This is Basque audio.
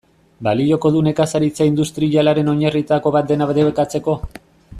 Balioko du nekazaritza industrialaren oinarrietako bat dena debekatzeko?